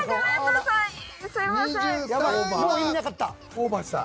オーバーした。